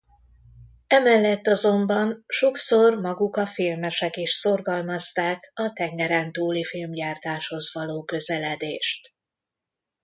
Emellett azonban sokszor maguk a filmesek is szorgalmazták a tengerentúli filmgyártáshoz való közeledést.